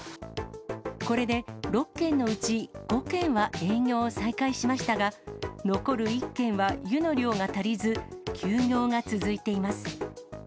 これで、６軒のうち５軒は営業を再開しましたが、残る１軒は湯の量が足りず、休業が続いています。